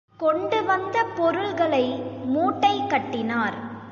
கொண்டுவந்த பொருள்களை மூட்டை கட்டினார்.